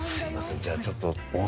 じゃあちょっと。